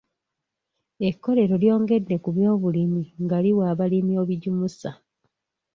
Ekkolero lyongedde ku byobulimi nga liwa abalimi ebigimusa.